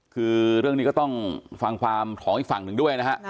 คือเรื่องนี้ก็ต้องฟังความของอีกฝั่งหนึ่งด้วยนะฮะ